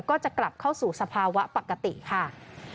ก็จะกลับเข้าสู่สภาวะปกติค่ะ